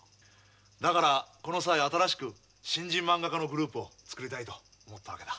だからこの際新しく新人まんが家のグループを作りたいと思ったわけだ。